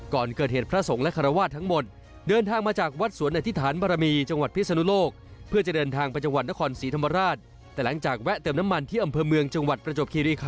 ก่อนเกิดเหตุพระสงฆ์และคารวาสทั้งหมดเดินทางมาจากวัดสวนอธิษฐานบรมีจังหวัดพิศนุโลกเพื่อจะเดินทางไปจังหวัดนครศรีธรรมราชแต่หลังจากแวะเติมน้ำมันที่อำเภอเมืองจังหวัดประจวบคิริคัน